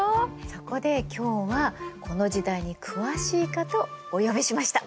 そこで今日はこの時代に詳しい方をお呼びしました。